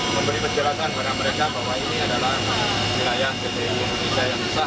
memberi penjelasan kepada mereka bahwa ini adalah wilayah yang besar wilayah yang besar